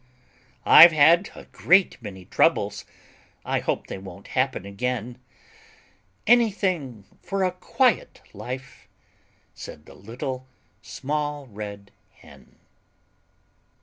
"I've had a great many troubles! I hope they won't happen again; Anything for a quiet life!" Said the Little Small Red Hen.